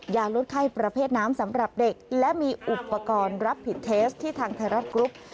ยาลดไข้ประเภทน้ำสำหรับเด็กและมีอุปกรณ์รับผิดเทสที่ทางไทยรัฐกรุ๊ป